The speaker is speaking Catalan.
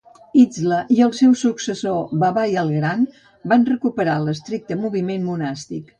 Izla, i ell i el seu successor, Babai el Gran, van recuperar l'estricte moviment monàstic.